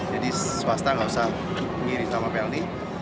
jadi swasta gak usah mengiris sama pld